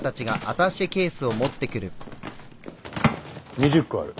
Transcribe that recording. ２０個ある。